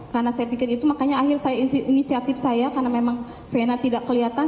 karena saya pikir itu makanya akhir saya inisiatif saya karena memang vena tidak kelihatan